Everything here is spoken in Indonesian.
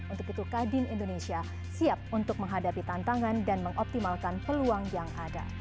untuk itu kadin indonesia siap untuk menghadapi tantangan dan mengoptimalkan peluang yang ada